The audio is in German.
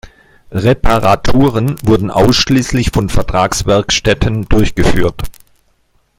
Reparaturen wurden ausschließlich von Vertragswerkstätten durchgeführt.